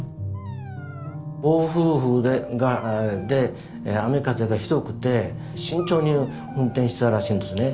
暴風雨で雨風がひどくて慎重に運転してたらしいんですね。